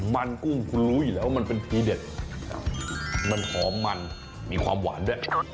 มันกุ้งคุณรู้อยู่แล้วว่ามันเป็นทีเด็ดมันหอมมันมีความหวานด้วย